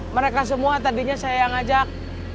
mereka semua tadinya saya yang ngajak